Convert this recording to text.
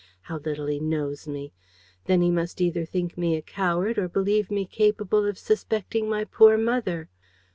How little he knows me! Then he must either think me a coward or believe me capable of suspecting my poor mother!